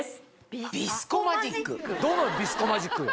どのビスコマジック？